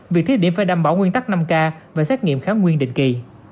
việc thiết điểm phải đảm bảo nguyên tắc năm k và xét nghiệm kháng nguyên định kỳ